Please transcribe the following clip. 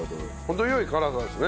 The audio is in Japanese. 程良い辛さですね。